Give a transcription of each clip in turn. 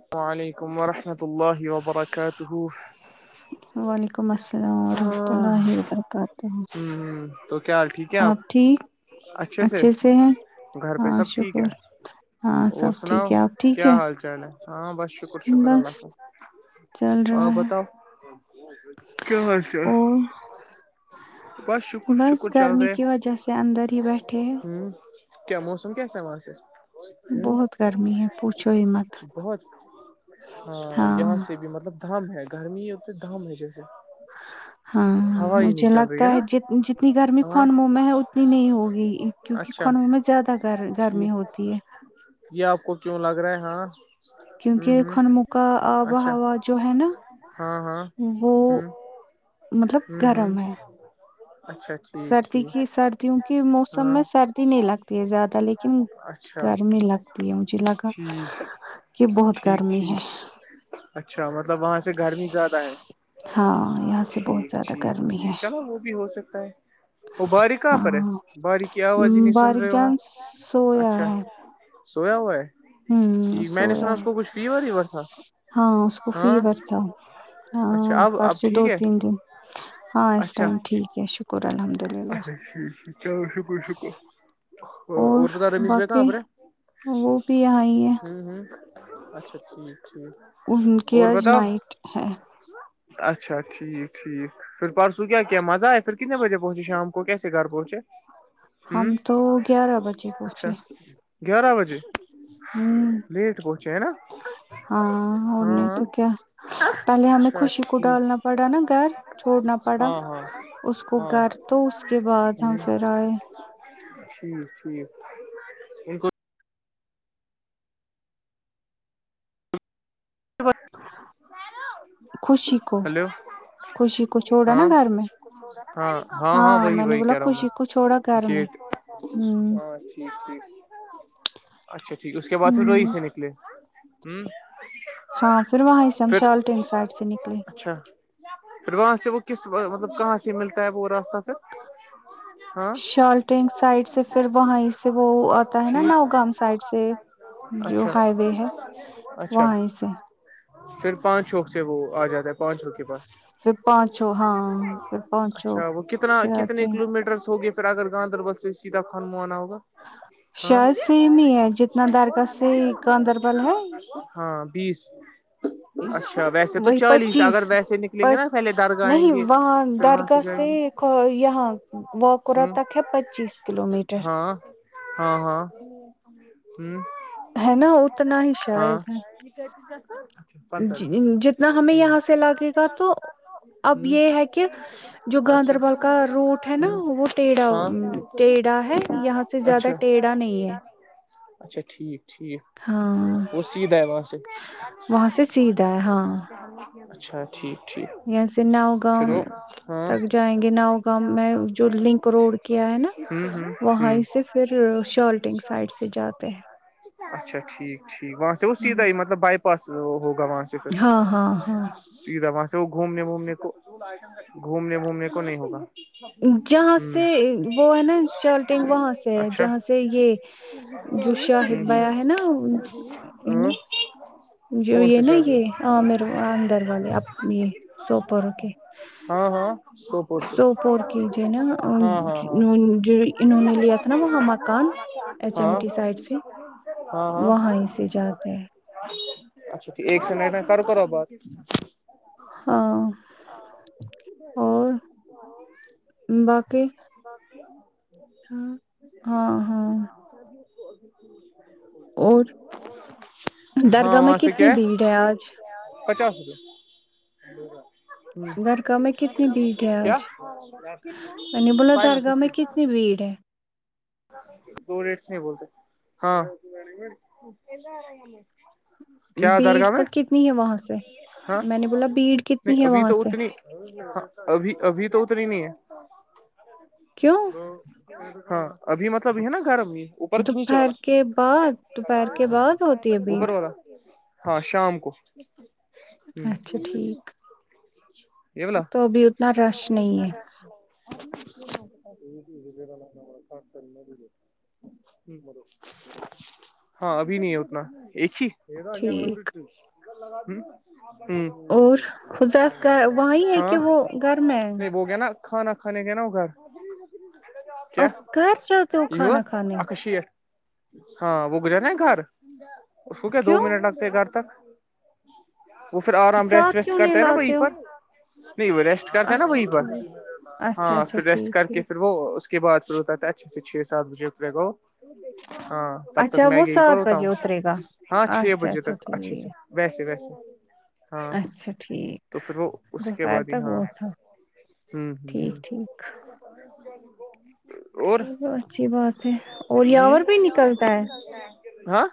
السل علیکم ورحمۃ اللہ وبرکاتہ وعلیکم السلام ورحمۃ اللہ وبرکاتہ تو کیا حال ٹھیک ہے آپ ٹھیک اچھے سے گھر پہ ہاں سب ٹھیک ہے شکر ہاں اور سب سناؤ ٹھیک ہے آپ ٹھیک ہے کیا حال ہاں بس شکر شکر اللہ بس خظ چل آ رہا ہے بتاؤ کیا حچ [inaudible] بس شکر بس شکر چل گرمی رہے کی وجہ سے اندر ہی بیٹھے ہیں ہوں کیا موسم کیسا ہے وہاں سے ہ بہت گرمی ہے پوچھو ہی مت بہت ہاں دام ہے گرمی ات دام ہے جیسے ہاں ہوا ہی نہیں مجھے چل رہی لگتا ہے نا جتنی گرمی ہاں خان مہ میں ہے اتنی نہیں ہوگی کیونکہ اچھا کن میں زیادہ گ گرمی ٹھیک ہوتی ہے یہ آپ کو کیوں لگ رہا ہے ہاں کیونکہ ہ ہ خنم کا آب و اچھا ہوا جو ہے نا ہاں ہاں وہ ہوں مطلب گرم ہے اچھا اچھا سردی کی سردیوں کے موسم میں سردی نہیں لگتی ہے زیادہ لیکن اچھا گرمی لگتی ہے مجھے لگا ٹھیک کہ بہت ٹھیک گرمی ہے ٹھیک اچھا مطلب وہاں سے گرمی زیادہ ہے ہاں یہاں سے بہت ٹھیک زیادہ ٹھیک گرمی ہے ٹھیک چلو وہ بھی ہو سکتا ہے وہ باری کہاں ہاں پر ہے باری کی آواز ہی ہم، نہیں سن باریک رہے وہاں جان سویا اچھا ہے سویا ہوا ہے ہوں ٹیک میں نے سویا سنا اس ہے کو کچھ فیور ہیور تھا ہاں اس کو ہاں فیور تھا اچھا ہاں اب اب پرسوں ٹھیک دو ہے تین دن ہاں اس ٹائم ٹھیک ہے شکر الحمد اللہ ا چلو شکر شکر اور اورور پرکار ر مس با باقی آبرے وہ بھی یہاں ہی ہے ہوں ہ اچھا ٹھیک ٹھیک ان کی اور آج بتاؤ نائٹ ہے اچھا ٹھیک ٹھیک پھر پرسوں کیا کیا مزہ ہے پھر کتنے بجے پہنچے شام کو کیسے گھر پہنچے ہم ہ ہم تو گیارہ بجے اچھا پہنچے گیارہ ہ چینہ ہاں اور نہیں تو کیا پہلے ہمیں اچھا خوشی کو ٹھیک ڈالنا پڑا نا گھر چھوڑنا پڑا ہاں ہاں اس کو ہاں گھر تو اس کے بعد ہم پھر آئے ٹھیک ٹھیک ان کو خوشی کو ہلو خوشی کو چھوڑا نا ہاں گھر میں ہاں ہاں ہاں وہی میں نے وہی بولا کہہ رہا ہوں خوشی کو چھوڑا میں گھر گیٹ ہوں ہاں ٹھیک ٹھیک اچھا ٹھیک اس کے بعد پھر روئی ہوں سے نکلے ہ ہاں پھر وہاں سے ہم پھر شالٹینگ سائڈ سے نکلے اچھا پھر وہاں سے وہ کس مطلب کہاں سے ملتا ہے وہ راستہ پھر ہاں شالٹینگ سائڈ سے پھر وہیں سے وہ آتا ہے نا ٹھیک نوگام سائڈ سے جو اچھا ہائی وے ہے اچھا وہاں سے پھر پانچ چوک سے وہ آ جاتا ہے پہنچ ر کے بس پھر پانچوں ہاں پھر پانچوں اچھا وہ کتنا سے آتے کتنے ہیں کلو میٹرس ہوگے ھر اگر گاندربل سے سیدھا کان موانا ہوگا ہاں شہد سیم ہی ہے جتنا دار کا سے گاندربل ہے ہاں بیس ش- اچھا ویسے تو وہی چالیس پچیس اگر ویسے نکلیں گے پچ نا پہلے درگاہ آئیں نہیں گے وہاں پھر وہاں سے درگاہ جائیں گے یہاں وکرا ہ تک ہے پچیس کلو میٹر ہاں ہاں ہاں ہوں ہے نا اتنا ہی شاید ہے کتس گس [inaudible] جتنا ہمیں یہاں سے لگے گا تو اب یہ ہے کہ جو گاندربل کا روٹ ہے نا اچھا وہ ٹیھا ہاں ٹیھا ہے یہاں سے زیادہ اچھا ٹیڑھا نہیں ہے اچھا ٹھیک ٹھیک ہاں وہ سیدھا ہے وہ وہاں سے سیدھا ہے ہاں اچھا ٹھیک ٹھیک اں سے ناؤ گاؤ پھر وہ ہاں تک جائیں گے ناؤ گاؤں میں جو لنک روڈ کیا ہے نا ہوں ہوں وہیں ہوں سے پھر شالٹنگ سائڈ سے جاتے ہیں اچھا ٹھیک ٹھیک وہاں سے وہ سیدھا ہوں ہی مطلب بائی پاس ہوگا وہاں سے پھر ہاں ہاں ہاں سیدھا وہاں سے وہ گھومنےومنے کو گھومنے وھومنے کو نہیں ہوگا جہاں ہوں سے وہ ہے نا شرٹنگ وہاں سے ہے اچھا جہاں سے یہ جو شاہد بیاں ہے نا ہ [unintelligible] جو کون یہ سا نا شہر ہے یہ ہ میرے اندر والےب یہ سوپر اوکے ہاں ہاں سو پٹ [unintelligible] سوپور کیجے نا جو انہوں نے لیا تھا نا وہاں مکان ایچ ایم ہاں ٹی ہاں سائڈ سے ہاں ہاں وہاں ہی سے جاتا ہے اچھا تو ایک سے مٹ میں کر کرو بات ہاں آ اور باقی [unintelligible] باقی [unintelligible] ہاں ہاں ہاں بھی ابھی [inaudible] اور درگاہ میں وہاں سے کتنی کیا بھیڑ ہے آج پچاس روپئے درگاہ میں ہ کتنی بھیڑ ہے کیا آج میں نے بولا فائ ل درگاہ سست میں [unintelligible] کتنی بھیڑ ہے دو ریٹس نہیں بولتے ہاں کیا بیڑ درگاہ کا میں کتنی ہے وہاں سے ہاں میں نے بولا بیڑ نہیں کتنی ہے ابھی وہاں تو سے اتنی ابھی ابھی تو اتری نہیں ہے کیوں ہاں ابھی مطلب ہے نا گرم ہی دوپہر کے بعد دوپہر کے بعد ہوتی ہے بھیڑ اوپر ہاں شام کو اچھا ٹھیک تو ابھی اتنا رش نہیں ہے م [inaudible] ہاں ابھی نہیں ہے اتنا ایک ہی ادا گ ٹھیک اٹ [unintelligible] اور حذیف گھر وہیں [unintelligible] ہے ہاں کہ وہ گھر میں ہے نہیں ب گیا نا کھانا کھانے کے نا ہو گھر کیا اب گھر جاتے ہو یہو کھانا کھانے ات شیھ [unintelligible] ہاں وہ گزر نا گھر اس کو کیا دو کیوں منٹ لگتے ہیں گھر تک وہ پھر آرام ریسٹ ساتھ ویسٹ کیوں نہیں کرتے ہیں نا وہیں لاتے ہو پر نہیں وہ ریسٹ کرتا نا اچھا وہیں پر ٹھیک اچھا ہاں اچھا پھر ریسٹ ٹھیک کر کے ٹھیک وہ اس کے بعد پھر ات اچھے سے چھ سات بجے اترے گا ہاں تب تک اچھا میں وہ یہی پر سات ہوتا ہوں بجے اترے گا ہاں چھ اچھا بجے اچھا تک اچھے سے ٹھیک ویسے ویسے ہاں اچھا ٹھیک تو پھر وہ اس کے دوپہر بعد ہی تک ہاں وہ تھا ٹھیک وہ [inaudible] یہ اچھی بات ہے اور یاور بھی نکلتا ہے ہاں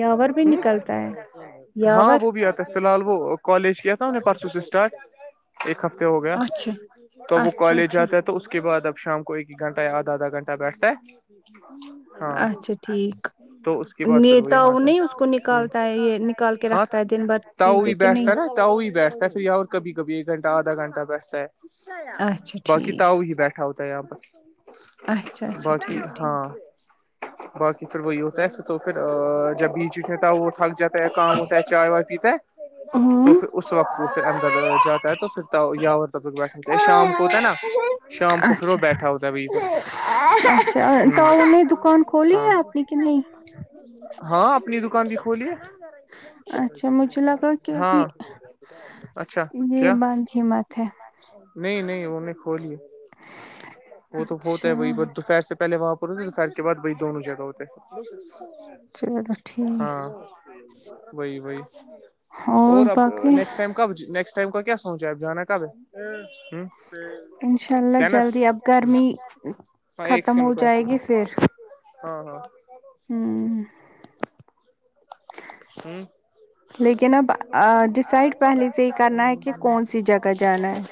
یاور بھی نکلتا ہے ہاں یاور وہ بھی تو فی الال وہ کالج کی تھاام پرسو س اسٹارٹ ایک ہفتے ہو گیا اچھا تو وہ اچھا کالج اچھا جاتا تو اس کے بعد اب شام کو ایک ایک گھنٹہ یا آدا آدھا گھنٹہ بیٹھتا ہے ہاں اچھا ٹھیک تو اس کے بعد پھر نیتا یہاں وہ آتا نہیں اس کو ہے نکالتا ہے یہ نکال کے رکھتا ہے دن بھر چیزیں کہ نہیں ا تو وہی بیٹھتا ہے پھر اور کبھی کبھی ایکھنٹہ آھا گھٹہ بیٹھتا ہے اچھا باقی ٹھیک تاؤ ہی بیٹھا ہوتا ہے یہاں اچھا پر اچھا باقی ٹھیک ٹھیک ہاں باقی پھر وہی ہوتا ہے تو پھر جب بیچ اٹےتا وہ تھک جاتا ہے کام ہوتا ہے چائے وائے پیتا ہے تو ہوں پھر اس وقت وہ پھر اندر جاتا ہے تو پھر یاور تبک بیٹھتے شام کو ہوتا ہے نا شام کو پھر وہ بیٹھا ہوتا ہے وہیں پر اچ اچھا تو ہ میں دکان کھولی ہاں ہے آپ نے کہ نہیں ہاں اپنی دکان بھی کھولیے اچھا مجھے لگا کہ ہاں ابھی اچھا یہ کیا بند ہی مت ہے نہیں نہیں ان نے کھولی وہ تو ہوتا اچھا ہے وہی ب دوپہر سے پہلے وہاں پر ہوتے دوپہر کے بعد وہی دونوں جگہ ہوتے ہے چلو ٹھیک ہاں وہی وہی اور اب نیکسٹ ٹائم کب نسٹ ٹائم کا کیا سوچ ہے اب جانا کب ہے ہ انشاء اللہ اسکینر جلدی اب گرمی ہاں ایک ختم سیکڈ ہو پس جائے گی ہاں ہاں ہاں جی لیکن اب ڈسائڈ پہلے سے ہی کرنا ہے کہ کون سی جگہ جانا ہے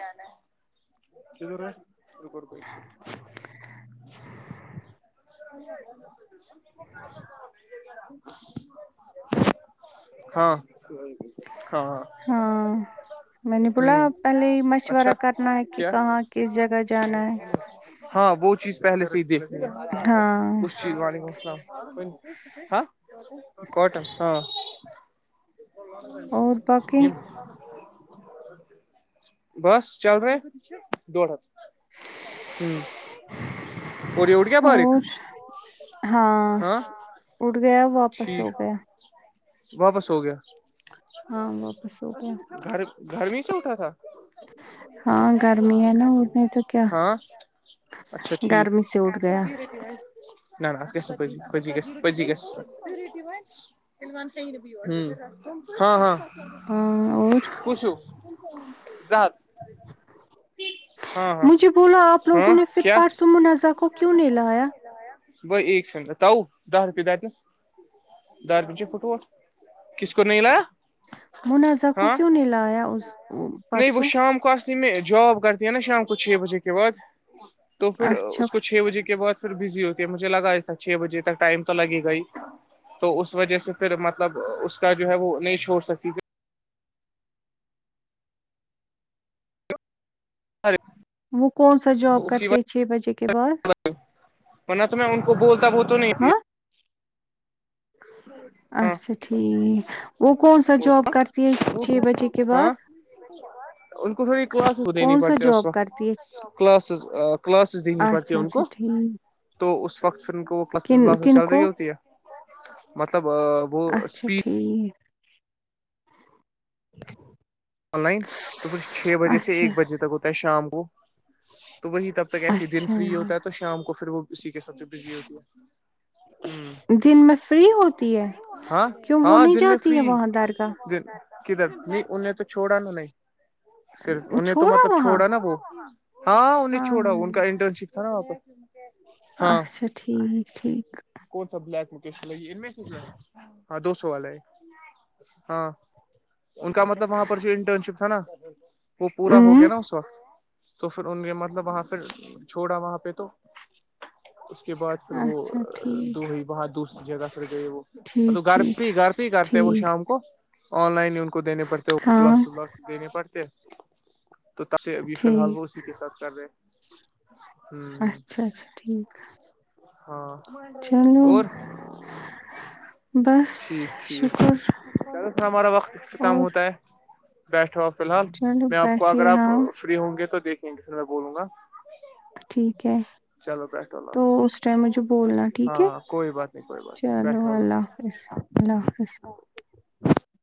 ک دور ہے کوئی [unintelligible] ہاں ہاں ہاں ہاں میں نے بولا ہ پہلے یہ اچھا مشورہ کرنا ہے کہ کیا کہاں کس جگہ جانا ہے ہاں وہ چیز پہلے سے ہی دیکھنی ہے ہاں اس چیز وعلیکم السلام ہاں کٹن ہاں اور باقی یہ بس چل رہے ہیں ڈڑ ہات ہوں اور اوٹ گیا باریک اور ہاں اٹ گیا واپس ہو ٹھیک گیا واپس ہو گیا ہاں واپس ہو گیا گھر گھر میں سے اٹھا تھا [unintelligible] ہاں گرمی ہے نا ا میں تو کیا ہاں اچھا ٹھیک گرمی سے اٹھ گیا نہ ن اس گ ن پزی پزی گ پزی گی ہ ہاں ہاں ہاں اور پوچو جات مجھے بولا آپ لوگوں ہاں نے پھر کیٛاہ پارسو منازع کو کیوں نہیں لایا بھ ایک سنتاؤ دہ روپ د دیس دار پنچ فٹوٹ کس کو نہیںلا منازہ کو کیوں نہیں لایا اس نہیں وہ پرسوں شام کو اصلی میں جاب کرتی ہے نا شام کو چھ بجے کے بعد تو پھر اچھا اس کو چھ بجے کے بعد پھر بزی ہوتی ہے مجھے لگا ایس چھ بجے تک ٹائم تو لگے گ ہی تو اس وجہ سے پھر مطلب اس کا جو ہے وہ نہیں چھوڑ سکی گ ا وہ کون سا جاب کرتے ہیں چھ بجے کے بعد منا تو میں ان کو بولتا وہ تو نہیں ہاں [unintelligible] ہاں اچھا ٹھیک وہ کون سا جاب کرتی ہے چھ بجے کے ہاں بعد [inaudible] ان کو تھوڑی کلاسز دینی کون سا پڑتی اس جاب وقت کرتی ہے کلاسز کلاسز دینی پڑتی ہے اچھا ان اچھا کو ٹھیک تو اس وقت پھر ان کو وہ کلاسز کن ولاز کن چل کو رہی ہوتی ہے سب اچھا ٹھیک آن لائن تو پھر چھ بجے سے اچھا ایک بجے تک ہوتا ہے شام کو تو وہی تب تک ایس ہی دن اچھا فری ہوتا ہے تو شام کو پھر وہ اسی کے سب سے بزی ہوتی ہے ہ دن میں فری ہوتی ہے ہاں کیوں وہ ہاں نہیں دن میں جاتی ہے فری وہاں در کااہ دن کدھر نہیں ان نے تو چھوڑا نا نہیں صرف انیں تو مطلب چھوڑا نا وہ ہاں انہیں چھوڑا ان کا انٹرن شپ تھا نا وہاپس ہاں اچھا ٹھیک ٹھیک کون سا بلیک لوکیشن لگی ان میں سے جو ہے ہاں دو سو والے ہے ہاں ان کا مطلب وہاں پے تھا نا وہ پورا ہو ا گیا نا اس وقت تو پھر ان نے مطلب وہاں پھر چھوڑا وہاں پہ تو کے بعد پھر وہ اچھا دو ٹھیک وہاں دوسری جگہ پھر گئی وہ ٹھیک گھر ٹھیک پ گھر پ ہی کرتے وہ ٹھیک شام کو آن لائن ان کو ہاں کلاسس دینے پڑتے تو ت سے ابھی فی الحال ٹھیک وہ اسی کے ساتھ کر رہے ہ اچھا اچھا ٹھیک ہے ہاں اور بس ٹھیک شکر ٹھیک ہمارا وقت اختتام اور ہوتا ہے بیٹھا ہو فی الحال چلو میں آپ کو اگر بیٹھیے آپ ہاں فری ہوں گے تو دیکھیں گے پ میں بولوں گا ٹھیک ہے چلو بیٹھو اللہ تو حافظ اس ٹائم مجھے بولنا ٹھیک ہاں ہے ہاں کوئی بات نہیں کوئی بات نہیں چلو بیٹھو اللہ حافظ اللہ حافظ